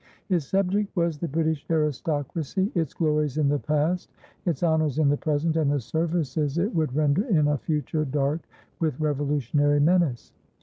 His subject was the British Aristocracy, its glories in the past, its honours in the present, and the services it would render in a future dark with revolutionary menace.